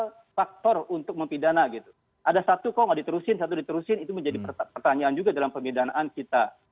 karena ketersinggungan ini menjadi hal faktor untuk mempidana gitu ada satu kok gak diterusin satu diterusin itu menjadi pertanyaan juga dalam pemidanaan kita